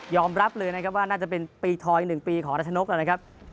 รับเลยนะครับว่าน่าจะเป็นปีทอย๑ปีของรัชนกนะครับ